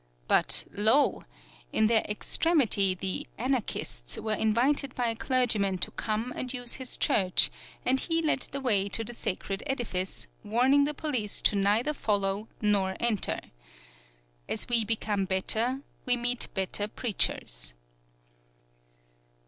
But, lo, in their extremity the "anarchists" were invited by a clergyman to come and use his church and he led the way to the sacred edifice, warning the police to neither follow nor enter. As we become better we meet better preachers.